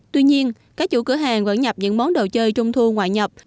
tuy nhiên các chủ cửa hàng vẫn nhập những món đồ chơi trung thu ngoại nhập